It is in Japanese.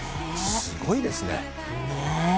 すごいですね。